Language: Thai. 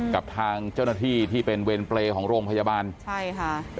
กับทางเจ้าหน้าที่ที่เป็นเวรเปรย์ของโรงพยาบาลใช่ค่ะ